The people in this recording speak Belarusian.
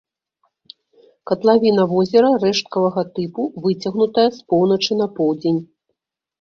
Катлавіна возера рэшткавага тыпу, выцягнутая з поўначы на поўдзень.